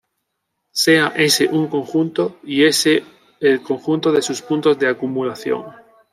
Sea "S" un conjunto y "S′" el conjunto de sus puntos de acumulación.